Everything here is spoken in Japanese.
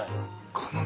このね